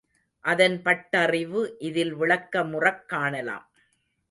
அதன் பட்டறிவு இதில் விளக்கமுறக் காணலாம்.